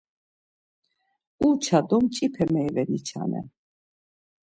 Uça do mç̌ipe meyve niçanen.